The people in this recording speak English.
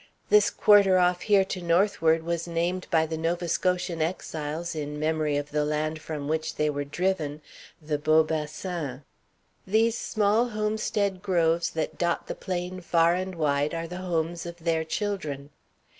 This quarter off here to northward was named by the Nova Scotian exiles, in memory of the land from which they were driven, the Beau Bassin. These small homestead groves that dot the plain far and wide are the homes of their children.